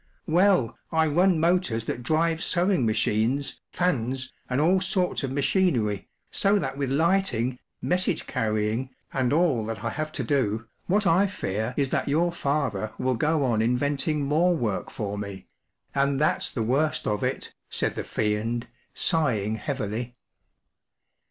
” “ Well, I run motors that drive sewing machines, fans, and all sorts of machinery, so that with lighting, message carrying, and all that I have to do, what I fear is that your father will go on inventing more work for me, and that’s the worst of it,” said the Fiend, sighing heavily.